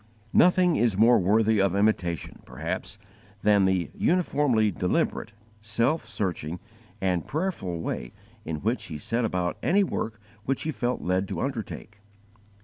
Nothing is more worthy of imitation, perhaps, than the uniformly deliberate, self searching, and prayerful way in which he set about any work which he felt led to undertake.